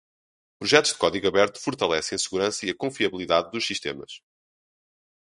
Projetos de código aberto fortalecem a segurança e confiabilidade dos sistemas.